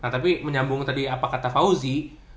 tapi menyambung tadi apa kata fauzi